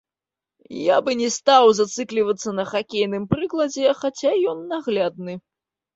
Я б не стаў зацыклівацца на хакейным прыкладзе, хаця ён наглядны.